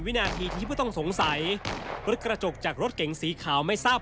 วินาทีที่ผู้ต้องสงสัยรถกระจกจากรถเก๋งสีขาวไม่ทราบ